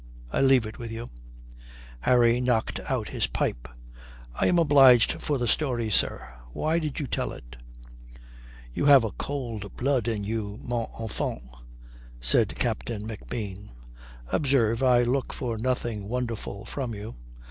I leave it with you." Harry knocked out his pipe. "I am obliged for the story, sir. Why did you tell it?" "You have a cold blood in you, mon enfant" says Captain MacBean. "Observe, I look for nothing wonderful from you.